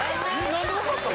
何で分かったの？